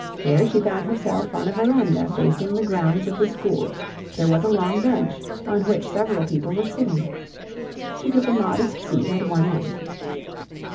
Here she found herself on a verandah facing the grounds of the school. There was a long bench, on which several people were sitting: she took a modest seat at one end.